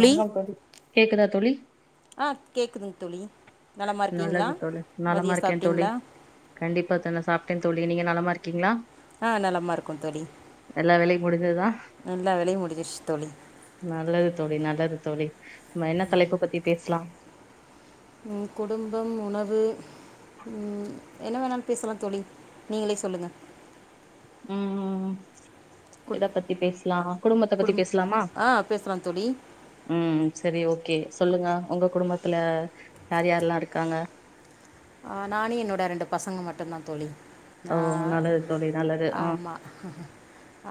வணகம் தோழி கேக்குதா தோழி ஆ கேட்குதுங்க தோழி நலமாக இருக்கீங்களா நல்லது தோழி நலமா மதியம் இருக்க தோழி சாப்பிட்டீங்களா கண்டிப்பா தன்னை சாப்ட தோழி நீங்க நலமா இர்க்கீங்களா ஆஹ் நலமா இருக்கோ தோழி வேலையும் முடிஞ்சதா எல்லா வேலயு முடிஞ்சிருச் தோழி நல்லது தோழி நல்லது தோழி நம்ம என்ன தலைப்பு பத்தி பேசலா உம் குடும்பம் உணவு ம் என்ன வேணாலும் பேசலா தோழி நீங்களே சொல்லுங்க ம்ம்ம்ம் எத பத்தி பேசலா குடும்பத்த பத்தி குடும் பேசலாமா ஆ பேசலாம் தோழி உம் சரி ஓகே சொல்லுங்க உங்க குடும்பத்துல யார் யாரெல்லாம் இருக்காங்க ஆஹ் நானு என்னோட ரெண்டு பசங்க மட்டும்தா தோழி ஓ ஆஹ் நல்லது தோழி நல்லது ஆ ஆமா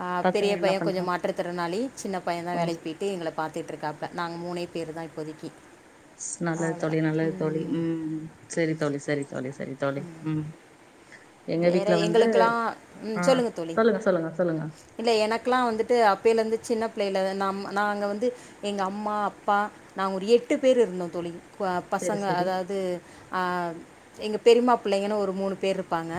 ஆஹ் பெரிய பசங்க என்ன பைய கொஞ்சோ பண்றாங்க மாற்றுத்திறனாளி சின்ன பையன் தா ஓ வேலைக்கு போய்ட்டு எங்கள பார்த்துட்டு இருக்காப்புல நாங்க மூணே இது தா இப்போதைக்கி நல்லது தோழி நல்லது தோழி உம் சரி தோழி சரி தோழி சரி தோழி உம் எங்க வேற வீட்ல வந்து எங்களுக்கெலா ஆ உம் சொல்லுங்க தோழி சொல்லுங்க சொல்லுங்க இல்ல எனக்கெலா வந்துட்டு அப்பேலேருந்து சின்ன புள்ளைல நம் நாங்க வந்து எங்க அம்மா அப்பா நாங்க ஒரு எட்டு பேரு இருந்தோம் தோழி ப சரி பசங்க சரி அதாவது ஆஹ் எங்க பெரிம்மா புள்ளைங்கனு ஒரு மூணு பேரு இருப்பாங்க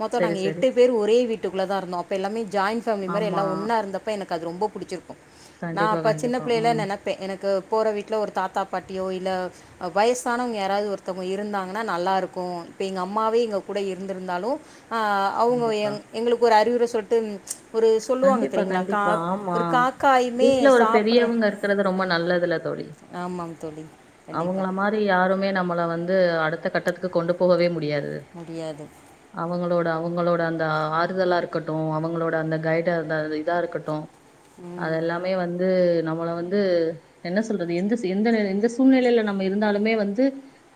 மொத்தோ சரி நாங்க சரி எட்டு பேர் ஒரே வீட்டுகுள்ள தா இருந்தோ அப்ப எல்லாமே ஜாயிண்ட ஃபேமிலி மாரி ஆமா எல்லா ஒண்ணா இருந்தப்ப எனக் அது ரொம்போ புடிச்சிருக்கும் நா கண்டிப்பா அப்ப சின்ன கண்டிப்பா புள்ளேல ம் நெனப்பே எனக்கு போற வீட்ல ஒரு தாத்தா பாட்டியோ இல்ல வயசானவங்க யாராவது ஒர்த்தவங்க இருந்தாங்கனா நல்லாருக்கும் இப்ப எங்க அம்மாவே எங்க கூட இருந்திருந்தாலும் ஆ அவுங்க கண்டிப்பா எங் எங்களுக்கு ஒரு அறிவுரை சொல்லி தொட்டு கண்டிப்பா கண்டிப்பா ஆமா காக்காயுமே வீட்ல ஒரு சாப்பிட்ற பெரியவங்க இருக்குறது ரொம்ப ஆ நல்லதுல தோழி ஆமாம் தோழி கண்டிப்பாக அவுங்கள மாரி யாருமே நம நம்மல வந்து அடுத்த கட்டத்துக்கு கொண்டு போகவே முடியாது முடியாது அவுங்களோட அவுங்களோட அந்த ஆறுதலா இருக்கட்டும் அவுங்களோட அந்த கைட் இதா இதா இதாஇருக்கட்டும் ம் அதெல்லாமே வந்து நம்மள வந்து என்ன சொல்றது எந்த எந்த சூழ்நிலைல நம்ம இருந்தாலுமே வந்து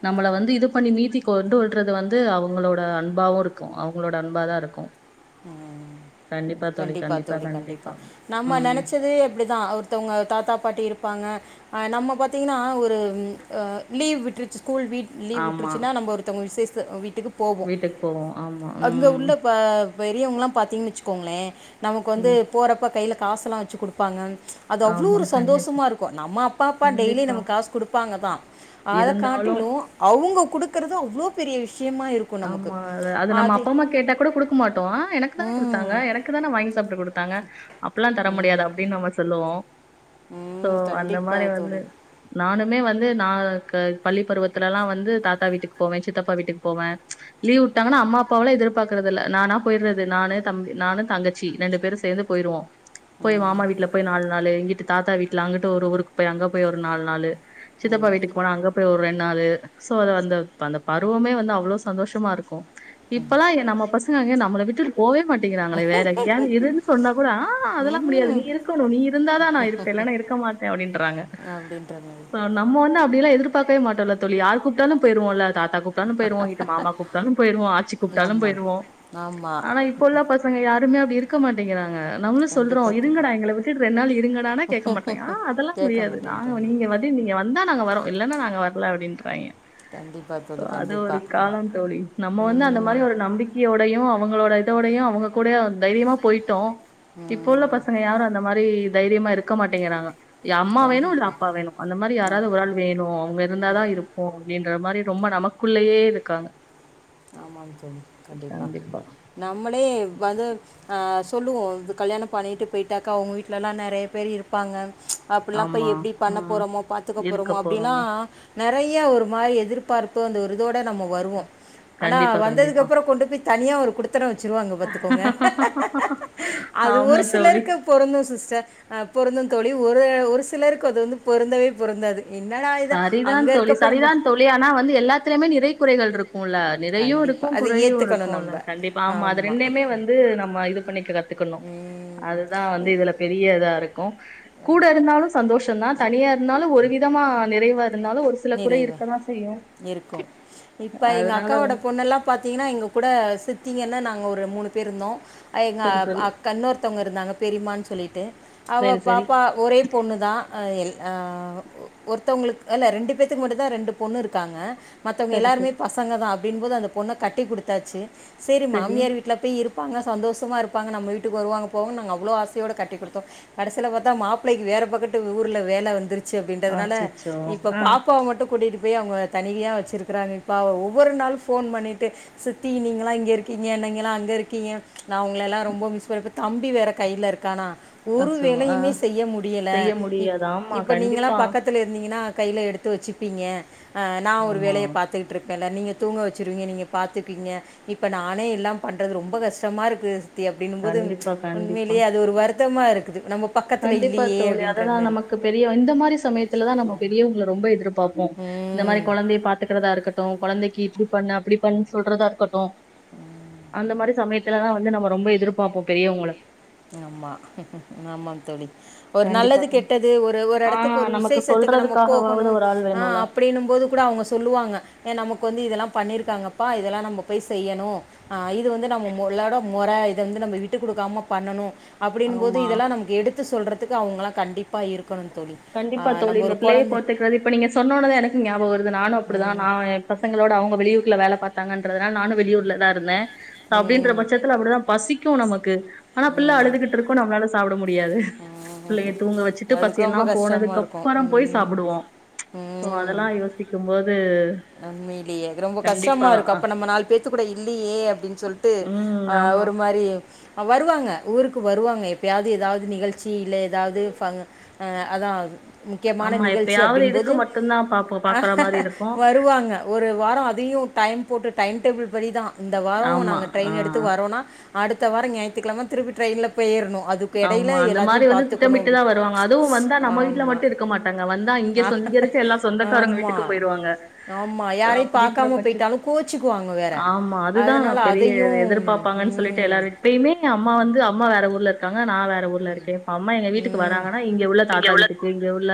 நம்மள வந்து இது பண்ணி மீத்தி கொண்டு வர்றது வந்து அவுங்களோட அன்பாவும் இருக்கும் அவுங்களோட அன்பா தான் இருக்கும் உம் கண்டிப் கண்டிப்பா தோழி கண்டிப்பா நம்ம ம் நெனைச்சது அப்டிதான் ஒருத்தவுங்க தாத்தா பாட்டி இருப்பாங்க ஆ நம்ம பாத்திங்கன்னா ஒரு அ லீவ் விட்ருச்சு ஸ்கூல் வீட் லீவ் ஆமா விட்டுருச்சுன்னா நம்ம ஒருத்தவுங்க விசேஷ ச வி ச த்துக்கு போவோ வீட்டுக்கு போவோ ஆமா அங்க ம் உள்ள ப பெரியவங்கல்லா பாத்தீங்கன்னு வெச்சுக்கோங்களேன் நமக்கு வந்து ம் போறப்ப கைல காசெல்லா வெச்சு குடுப்பாங்க ப்ச் அது அவ்ளோ ஆமா ஒரு கண்டிப்பா சந்தோஷமா இருக்கு நம்ம அப்பா அப்பா டெய்லி கண்டிப்பா நமக்கு காசு குடுப்பாங்கதா அத இருந்தாலு காட்டிலூ அவுங்க குடுக்கறது அவ்ளோ பெரிய விஷய ஆமா அது அது நம்ம அப்பா அம்மா கேட்டா கூட குடுக்கமாட் டோ எனக்குதான ம் குடுத்தாங்க எனக்குதான வாங்கி சாப்பிட குடுத்தாங்க அப்டியெல்லா தர முடியாது அப்டின்னு நம்ம சொல்லுவோ ஓ சோ ம் அந்த மாரி கண்டிப்பாக வந்து தோழி நானுமே வந்து வந்து நா க பள்ளி பருவத்துலல்லா வந்து தாத்தா வீட்டுக்கு போவே சித்தப்பா வீட்டுக்கு போவே ப்ச் லீவ் விட்டாங்கன்னா அம்மா அப்பாவல்லா எதிர்பார்க்கறதில்ல நானா போயிடறது நானு தம்பி நானு தங்கச்சி ரெண்டு பேரூ சேர்ந்து போயிருவோ போய் ம் மாமா வீட்ல போயி நால் நாளு இங்கிட்டு தாத்தா வீட்ல அங்கிட்டு ஒரு ஊருக்கு போயி அங்க போய் ஒரு நாலு நாளு சித்தப்பா ம் வீட்டுக்கு போனா அங்க போயி ஒரு ரெண்டு நாளு சோ அது அந்த அந்தப்பருவமே வந்து அவ்ளோ சந்தோஷமா இருக்கு ம். இப்பெல்லா எ நம்ம பசங் ங்க நம்ள விட்டுட்டு போவே மாட்டிங்கிறாங்களே வேற எங்கயாவது இருன்னு சொன்னா கூட ஆஹா அதெல்லா முடியாது நீ ம் இருக்கணு நீ இருந்தாதா நா இருப்ப இல்லன்னா இருக்க மாட்ட அப்படின்றாங்க அப்படின்ற மாதிரி நம்ம வந்து அப்டியெல்லா எதிர் பாக்கவே மாட்டோல்ல தோழி யார் கூப்பிட்டாலு போயிருவோம்ல தாத்தா கூப்ட்டாலு போயிருவோ மாமா கூப்பிட்டாலு போயிருவோ ஆச்சி கூப்பிட்டாலு ஆமாம் போயிருவோ ஆமாம் ஆனா இப்ப உள்ள பசங்க யாருமே அப்டி இருக்க இருக்க மாட்டேங்கிறாங்க நம்மளு சொல்றோ கண்டிப்பாக தோழி இருங்கடா எங்கள விட்டுட்டு ரெண்டு நாள் இருங்கடானா கேட்க மாட்டறேங்க ஆ அதெல்லா கேட்க முடியாது நாங்க மாட்டேன்றாங்க நீங்க வ நீங்க வந்தா நாங்க வர்ரோ இல்லைன்னா நாங்க வர்ல அப்படின்ற தைய கண்டிப்பா தோழி கண்டிப்பா காலந்தோழி நம்ம வந்து அந்த மாரி ஒரு நம்பிக்கையோடயூ அவங்களோட இதோடையூ அவுங்க கூடயே தைரியமா போயிட்டோ இப்ப உள்ள ம் பசங்க யாரு அந்த மாரி தைரியமா இருக்க மாட்டேங்கிறாங்க அம்மா வேணு இல்ல கண்டிப்பாக அப்பா வேணு அந்த மாரி ஆமாம் யாராவது ஒரு ஆள் வேணு அவுங்க இருந்தாதா இருப்போ அப்படினு ன்ற மாரி ரொம்ப நமக்குள்ளயே க்காங்க ஆமாங் தோழி கண்டிப்பா நம்ளே வந்து ஆ சொல்லுவோ கல்யாண பண்ணிட்டு பேயிட்டாக்கா அவங்க வீட்லலா நெறைய பேர் இருப்பாங்க அப்புல்லா பெய் ஆமா. எப்டி பண்ண ம். போறோமோ பாத்துக்க இருக்க போறோமோ அப்டிலா போறோங்க. நெறைய [inaudible] ஒரு மாரி எதிர்பார்ப்பு அந்த ஒரு இதோட நம்ம வருவோ ஆனா கண்டிப்பா, கண்டிப்பா. வந்ததுக்கப்புற கொண்டு போய் தனியா ஒரு குடித்தன வச்சுருவாங்க பாத்துக்கோங்க அது ஆமா ஒரு தோழி. சிலருக்கு பொருந்தும் சிஸ்டர் பொருந்து தோழி ஒரு [unintelligible] ஒரு சிலருக்கு அது வந்து பொருந்தவே பொருந்தாது என்னடா இது சரிதா அங்கே தோழி இருக்கப்போ நம்ம சரிதான் தோழி ஆனா வந்து எல்லாத்துலயுமே நிறை குறைகள் இருக்கு குல்ல நிறையுருக்கு கண்டிப்பாக அதை ஏற்றுக்கணும் குறையுருக்குல்ல நம்ம கண்டிப்பா ஆமா அது ஆமாம் ரெண்டயுமே வந்து நம்ம இது [unintelligible] துக்கணும் அதுதா வந்து இதுல பெரிய இதாருக் கும் கூட இருந்தாலும் ச சந்தோஷ தா தனியா இருந்தாலு ஒரு விதமான நிறை நிறைவு இருக்கும் இப்ப எங்க அதனால அக்காவோட வந்து பொண்ணுலா பாத்தீங்கனா எங்க கூட சித்திங்கன்னா நாங்க ஒரு ஒரு மூணு பேர்ருந்தோ எங்க ஆ சரி, சரி. அக் இன்னுர்த்தவங்க இருந்தாங்க பெரியம்மானு சொல்லிட்டு அவ சரி, சரி. பாப்பா ஒரே பொண்ணு தா ஆ எல் ஆ ஒருத்தவங்களுக் அல்ல ரெண்டு பேத்துக்கு மட்டுந்தா ரெண்டு பொண்ணு இருக்காங்க மத்தவங்க சரி, எல்லாருமே சரி. பசங்க தா அப்டின்போது அந்த பொண்ண கட்டி குடுத்தாச்சு செரி சரி. மாமியார் வீ்ட்ல போய் இரு ப்பாங்க சந்தோஷமாருப்பாங்க நம்ம வீட்டுக்கு வருவாங்க போவங்க நாங்க அவ்ளோ ஆசையோடு கெட்டி குடுத்தோ கடைசில பாத்தா மாப்ளைைக்கு வேற பக்கட்டு ஊர்ல வேல வந்துரு ச்சு அப்டின்றதுனால அச்சச்சோ! இப் ஆ. பாப்பாவ மட்டு கூட்டிட்டு பெய் அவங்க தனியா வச்சுருக்குறாங்க இப்ப ஒவ்வொரு நாளும் ஃபோன் பண்ணிட்டு சித்தி நீங்களா இங்ருக்கீங்க நீங்களா அங்க இருக்கீங்க நா உங்களெல்லா ரொம்ப மிஸ் பண்ணன் இப்போ தம்பி வேற கைல இருக்கானா ஒரு அச்சோ! ஆ. வேலையுமே செய்ய முடியல செய்ய இப் முடியாது. ஆமா. இப்ப நீங்களா கண்டிப்பா. பக்கத்துல இருந்தீங்கன்னா கைல எடுத்து வச்சுப்பீங்க நா ஒரு ஆமா. வேலைய பாத்துகிட்டு இருக் நீங்க தூங்க வெச்சுருவீங்க நீங்க பாத்துப்பீங்க இப்ப நானே எல்லா பண்றது ரொம்ப கஷ்டமா இருக்கு சித்தி அப்டியின்னும் போது கண்டிப்பா, கண்டிப்பா. உண்மையிலயே அது ஒரு வரு த்தமா இருக்குது நம்ம பக்கத்தில் கண்டிப்பா இல்லையே தோழி அப்படின்ற அதுதா மாதிரி நமக்கு பெரிய இந்த மாரி சமயத்துலதா நம்ம பெரியவங் ரொம்ப எதிர் பாப்போ இந்த மாரி ம் கொழந்தைய பாத்துக்கறதா இருக்கட்டு கொழந்தைக் இப்படி பண்ணு அப்டி பண்ணே சொல்றதா இருக்கட்டு அந்த மாரி சமயத்துலதா வந்து நம்ம ரொம்ப எதிர்பாப்போ பெரியவங்கல ஆமா ஆமா தோழி ஒரு கண்டிப்பா நல்லது கண் கெட்டது ஒரு ஒரு ஆ இடத்துக்கு ஒரு நமக்கு விசேஷத்துக்கு நம்ம போகணு சொல்றதுக்காகவாவது ஒரு ஆள் வேணும்ல. அப்டின்னும் போது கூட அவுங்க சொல்லுவாங்க ஏன் நமக்கு வந்து இதெல்லா பண்ணியிருக்காங்கப்பா இதெல்லா நம்ப போய் செய்யணு ஆ இது வந்து நம்முலோட மொற இத வந்து நம்ம விட்டு கொடுக்காம பண்ணனு அப்டின் போது ஆமா. இதெல்லா நமக்கு எடுத் சொல்றதுக்கு அவுங்கெல்லா கண்டிப்பா இருக் கண்டிப்பா தோழி இந்த பிள்ளைய போத்துக்கிறது இப்ப நீங்க சொன்ன ஒன்னேதா எனக்கு ஞாபகம் வருது நானு அப்டிதா ம் நா பசங்களோடு அவுங்க வெளியூர் ல வேல பாத்தாங்கன்றதுனால நானு வெளியூர்ல தா இருந்தே அப்டின்ற ம் பட்சத்துல அப்டிதா பசிக்க போ நமக்கு ஆனா பிள்ள ம் ம். அழுதுகிட்டு இருக்கோ நம்ளால சாப்பிட முடியாது பிள்ளைய தூங்க வெச்சுட்டு பசி அதுக்கு எல்லா ரொம்ப அதுக் கஷ்டமாக இருக்கும் அப்புறோ போய் ம் சாப்புடுவோ சோ அதெல்லா யோசிக்கும் போது உண்மைலயே அது ரொம்ப கஷ்டமா கண்டிப்பா இருக்கும் அப்ப அ- நம்ம நாலு பேத்து கூட இல்லையே அப்டின் சொல்லிட்டு ம் அ ஆமா ஒரு மாரி வருவாங்க ஊருக்கு வருவாங்க எப்பயாது ஏதாவது நிகழ்ச்சி ல ஏதாவது ஆஹ அத்தா அது ஆமா எப்பயாவது இதுக்கு மட்டும்தா பாப்போ பாக்குற மாரி இருக்கும் வருவாங்க ஒரு வாரோ அதையு டைம் போட்டு டைம் டேபுள் படி தா இந்த வாரோ ஆமா நாங்க ஆ ட்ரெயின் எடுத்து வரோம்னா அடுத்த வாரோ ஞாயிற்றுக்கிழம திருப்பி ட்ரெயின்ல போயிறணு ஆமா அந்த மாரி வந்து திட்டமிட்டுதான் வருவாங்க அதுவும் வந்தா நம்ம வீட்டு்ல ஆமாம் மட்டும் இருக்க மாட்டாங்க வந்தா இங்க சொந் இங்க இருக்க எல்லா சொந்தக்காரங்க ஆமா. வீட்டுக்கும் போயிருவாங்க ஆமா. ங யாரையும் அப்டிங்குற பார்க்காம பச்சதுல போயிட்டாலும் கோவிச்சுக்குவாங்க வேற. ஆமா அதுதான் அதனால பெரிய அதையும் எதிர்பாப்பாங்கனு சொல்லிட்டு ம். எப்பையுமே அம்மா வந்து அம்மா வேற ஊர்ல நான் வேற ஊர்ல இருக்கேன் இப்ப அம்மா எங்க வீட்டுக்கு ம். வராங்கன்னா இங்க உள்ள தாத்தா வீட்டுக்கு இங்க உள்ள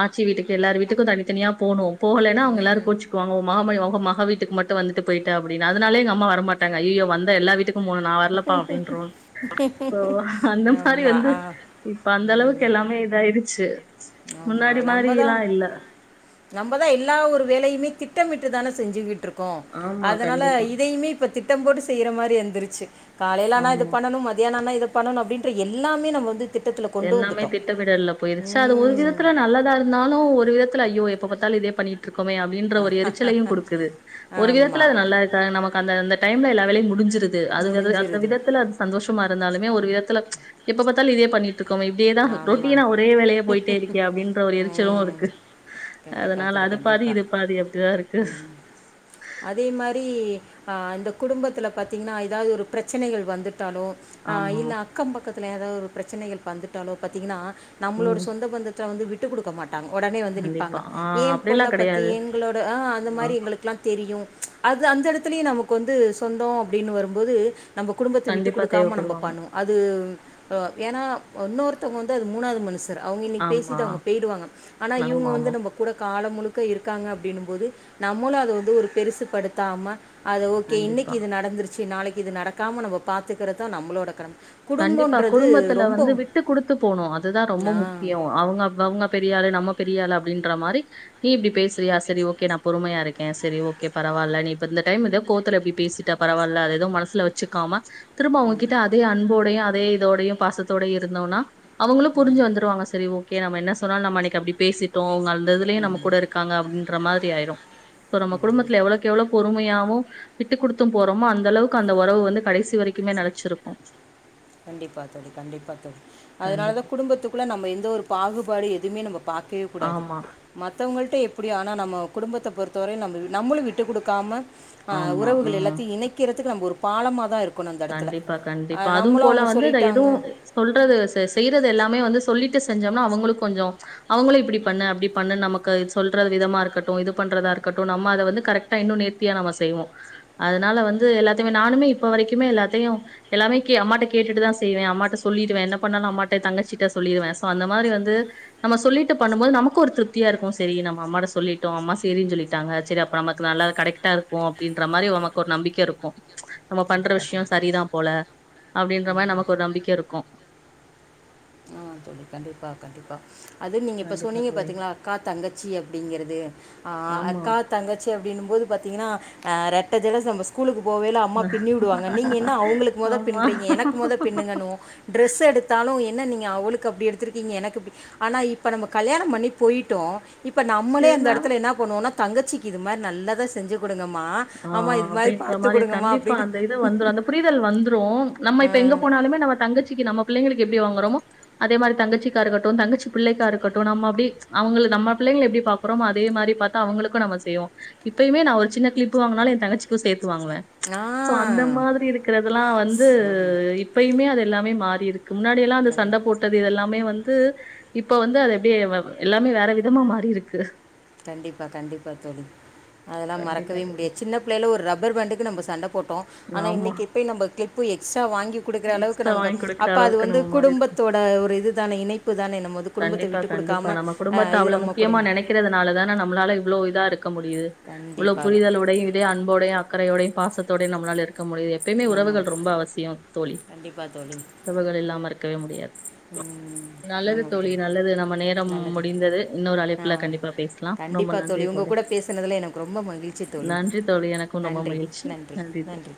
ஆச்சி வீட்டுக்கு எல்லார் வீட்டுக்கும் தனித்தனியா போகணும் போகலன்னா அவுங்க எல்லாரும் ம். கோச்சுக்குவாங்க உன் மக [unintelligible] உன் மக வீட்டுக்கு மட்டும் வந்துட்டு போயிட்ட அப்பிடின்னு அதுனாலயே எங்க அம்மா வரமாட்டாங்க ஐயயோ வந்தா எல்லார் வீட்டுக்கு மூணு நான் வரலப்பா அப்டின்றுவான்றாங்க சோ. அந்த மாரி ஆமா வந்து ஆ இப்ப அந்த அளவுக்கு உம் எல்லாமே இதாயிருச்சு ச் ஆமா முன்னாடி மாரில்லா நம்பதான் இல்ல நம்பதான் எல்லா ஒரு வேலையுமே திட்டமிட்டு தான செஞ்சுட்டு இருக் இருக்கோ ஆமா அதனால கண்டிப்பா இதையுமே இப்போ திட்டம் போட்டு செய்கிற மாரி வந்துருச்சு. காலேல ஆனா இது ஆமா பண்ணணும் மதியானம் ஆனா இத பண்ணனும் அப்டின்ற எல்லாமே நம்ம வந்து திட்டத்துல கொண்டு எல்லாமே வந்துட்டோம். திட்டமிடல்ல போயிருச்சு அது ஒரு ம். விதத்துல நல்லதா இருந்தாலும் ஒரு வித ல ஐயோ எப்பபாத்தாலும் இதே பண்ணிட்டு ட்ருக்கோமே அப்டின்ற ஒரு எரிச்சலையும் குடுக்குது ஒரு விதத்தில ஆமாம் அது நல்லா இருக்காங்க நமக்கு அந்த அந்த டைம்ல எல்லாம் வேலை முடிஞ்சு சது அந்த முடிஞ்சிருது விதத்தில அது சந்தோஷமா இருந்தாலும் ஒரு விதத்துல ம்ச் எப்ப பாத்தாலும் இதே பண்ணிட்டு க்கோமே இப்டியேதான் ரொட்டீனா ஆமாம் ஒரே வேலையா போயிட்டே இருக்கே அப்டின்ற ஒரு எரிச்சலும் ம் இருக்கு. கண்டிப்பாக அதனால தோழி அது பாதி கண்டிப்பாக இது பாதி அப்டிதான் இருக்கு. ஆஹ் இந்த குடும்பத்துல பாத்தீங்கன்னா ஏதாவது ஒரு பிரச்சனைகள் வந்துரு டாலு அஹ் ஆமா. இல்ல அக்கம்பக்க ல ஏதாவது ஒரு பிரச்சனைகள் வந்துட்டு ட்டாலோ பாத்தீங்கன்னா நம்மளோட ம். சொந்தபந்தத்தில வந்து விட் விட்டு குடுக்க மாட் டாங்க உடனே வந்து நிப்பாங்க கண்டிப்பா. ஆ ஏன் பொண்ண அப்படியெல்லாம் பத்தி கிடையாது. எங்களோட அந்த ஆமா. மாரி எங்களுக்கெல்லாம் தெரியும். ம்ச் அது அந்த இடத்துலயே நமக்கு வந்து சொந்தோ அப்டின்னு வரும்போது நம்ம குடும்பத்த விட்டு கண்டிப்பா குடுக்காம நம்ம தேவைப்படுவாங்க. பண்ணுவோம் அது ஏன்னா வுன்னொருத்தவங்க வந்து அது மூணாவது மனுசங் சரு அவுங்க இன்னைக்கு ஆமா. பேசிட்டு அவுங்க போய்டுவாங்க ஆனா இவுங்க வந்து ஆமாமா. நம்ம கூட காலம் முழுக்க க இருக்காங்க அப்டின்னும்போது நம்மளும் அத வந்து ஒரு பெருசு படுத்தாம அது ஓக்கே கண்டிப்பா. இன்னைக்கு இது நடந்துரு சி நாளைக்கு இது நடக்காம நம்ம பாத்துக்கறது நம்ளோட கட கண்டிப்பா குடும்பத்துல வந்து வி ட்டு கொடுத்து போனும் அதுதான் ரொம்ப ஆ முக்கியம் அவுங்க அவுங்க பெரியாலு நம்ம பெரி ரியாளு அப்படின்ற மாதி நீ இப்படி பேசுறியா சரி ஓகே நான் பொறுமையா இருக்கேன் சரி ஓகே பரவாயில்ல நீ இப்ப இந்த டைம் ஏதோ கோத்துல இப்படி பேசிட்ட பரவாயில்ல அது எதோ மனசுல வச்சுக்காம திரும்ப அவுங்ககிட்டா அதே அன்போ டையும் அதே இதோடயையும் பாசத்தோடயும் இருந்தோம்னா அவுங்களும் புரிஞ்சு வந்துருவாங்க சரி ஓ ஓகே நம்ம என்ன சொன்னாலும் நமன்னைக்கு அப்படி பேசிட்டோம் கள் டதுலயும் நம்ம கூட இருக்கா அப்படின்னு மாதிரி ஆயிரும் சோ நம குடும்த்துலவ்ளவு எவ்ளவு பொறுமையாவு விட்டுக் குடுத்தும் போறோமோ அந்த அளவுக்கு அந்த ஒறவு வந்து கடசி வரைக்குமே நெலச்சிருக்கு கண்டிப்பா தோழி கண்டிப்பா தோழி கண்டிப்பா. அதனாலதா குடும்பத்துக்குள்ள நம்ம எந்த ஒரு பாகுபாடு துமே நம்ம பாக்கவே கூடாது ஆமா, மத்தவங்கள்ட்ட எப் அப்டி ஆனா நம்ம குடும்பத்த பொறுத்தவரையு நம்ப நம்பளு விட்டுக் குடுக்காம ஆஹ் ஆமா. உறவுகள் ம். எல்லாத்தையும் இணைக்கிறதுக்கு நம்ம ஒரு பாலமாக தா இருக்கும். கண்டிப்பா கண்டிப்பா அதும் போல வந்து இத சொல்லிட்டாங்க எதுவு சொல்றது ச செய்றதெல்லாமே வந்து சொல்லிட்டு செஞ்சோம்னா அவங்களு கொஞ்சொ அவங்களு இப்டி பண்ணு அப்டி பண்ணுன் நமக்கு இத் சொல்ற விதமா இருக்கட்டு இது பண்றதா இருக்கட்டு நம்ம அத வந்து கரெக்ட்டா இன்னு நேத்தியா நம்ம செய்வோ அதுனால வந்து எல்லாத்தைமே நானுமே இப்போ வரைக் எல்லாத்தையும் எல்லாமே அம்மாட்ட கேட்டுதா செய்வேன் அம்மாட்ட சொல்லிடுவேன் என்ன பண்ணாலும் அம்மா தங்கச்சிட்டா சொல்லிடுவேன் சோ அந்த மாதிரி வந்து நம்ம சொல்லிட்டு பண்ணும் போது நமக்கு ஒரு திருப்தியா இருக்கும் சரி நம்ம அம்மாட்ட சொல்லிட்டோம் அம்மா சரினு சொல்லிட்டாங்க சரி அப்ப நமக்கு நல்லா கிடைக்கிட்ட இருக்கும் அப்படின்ற மாரி நமக்கு ஒரு நம்பிக்கை இருக்கும் நம்ம பண்ற கண்டிப்பாக விஷ்யொ சரிதா போல அப்டின்ற மாரி நமக்கு ஒரு நம்பிக்க இருக்கு ஆ தோழி கண்டிப்பா கண்டிப்பா அது நீங்க இப்ப கண்டிப்பா சொன்னீங்க தோழி பாத்தீங்ளா அக்கா தங்கச்சி அப்டிங்கிறது ஆ ஆமா அக்கா தங்கச்சி அப்படின்னும் போது பாத்தீங்கன்னா ரெட்ட ஜட நம்ம ஸ்கூலுக்கு. போவே அம்மா பின்னி விடுவாங்க நீங்க என்ன அவங்களுக் மொத ஆமா பின்றீங்க எனக்கு மொத பின்னுங்கணுவோம் டிரஸ் எடுத்தாலும் என் என்ன நீங்க அவளுக் கு அப்டி எடுத்ருக்கீங்க எனக்கு அப்டி ஆனா இப்ப நம்ம கல்யாணம் பண்ணி பொய்ட்டோ இப்ப நம்மளே அந்த இருந்தா இடத்துல என்ன பண்ணுவோனா தங்கச்சிக்கு இது மாதிரி நல்ல தா செஞ்சு கொடுங்கம்மா அம்மா ஆஹ் இது மாதிரி அப்டின்ற பார்த்து மாரி கொடுங்கம்மா கண்டிப்பா அப்படின்னு அந்த இது வந்துரு அந்த புரிதல் வந்த்ரு நம்ம இப்ப எங்க ஆ போனாலுமே நம்ம தங்கச்சிக்கி நம்ம பிள்ளைளுக்கு எப்படி வாங்குறோமோ அதே மாதிரி தங்கச்சிக்காக இருக்கட்டும் தங்கச்சி பிள்ளைக்கா இருக்கட்டும் நம்ம அப்படி அவ நம்ம பிள்ளைங்க எப்டி பாக்குறோமோ அதே மாதிரி பார்த்த அவங்களுக்கு நம்ம செய்வோம் இபையும்மே ஒரு சின்ன கிளிப் ப்பு வாங்குனாலு ஏ தங்கச்சிக்கு சேத் வாங்குவ ஆ சோ அந்த மாதிரி இருக்கிறதுல்லாம் வந்து ஆ இப்பயுமே அதை எல்லாமே மாறி இருக் க்கு முன்னாடில்லா அந்த சண்ட போட்டது இதெல்லாமே வந் து இப்ப வந்து அது எப்டி வ எல்லாமே வேற விதமா மாறிருக்கு கண்டிப்பா கண்டிப்பா தோழி அதெல்லா கண்டிப்பா மறக்கவே தோழி முடியா சின்னப் புள்ளைல ஒரு ரப்பர் பேண்டுக்கு நம்ம சண்ட போட் ஆனா ஆமா இன்னக்கி இப்பயு நம்ப க்ளிப் உயக்ஸ் வாங்கி கொடுக்கற அளவுக்கு எக்ஸ்ட்ரா நமக்கு வாங்கி குடுக்குற அப்ப அது அளவுக்கு வந்து நம்ம மாறி இருக்கோ குடும்பத்தோட ஒரு இது தான இனை கண்டிப்பா கண்டிப்பா நம்ம குடும்பத்த அஹ், இது அவ்ள நம்ம முக்கியமா குடும்பம் நினைக்கிறதுனால தான் நம்மளால இவ்ளோ இதா இரு க்க முடியுது உள்ள கண்டிப்பாக புரிதல உடையும் இதே அன்போடையும் அ க்கறையோடையும் பாசத்தோடையும் நம்மளால இரு க்க முடியுது எப்பெம்மே ஆமாம் உறவுகள் ரொம்ப அவசியம் தோழி கண்டிப்பாக தோழி உறவுகள் இல்லாம இருக்கவே முடியாது ம், நல்லது ஆமாம் தோழி நல்லது நம்ம நேரம் நல்லது முடிந்தது இன்னொரு ஆ அழைப்புல கண்டிப்பா பேசலாம் ரொம்ப கண்டிப்பாக நன்றி உங்கள் தோழி கூட பேசுனதில் எனக்கு ரொம்ப மகிழ்ச்சி தோழி நன்றி தோழி எனக்கும் ரொம்ப மகிழ்ச்சி நன்றி தோழி